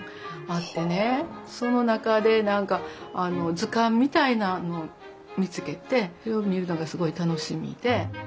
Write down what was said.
その中で何か図鑑みたいなのを見つけてそれを見るのがすごい楽しみで。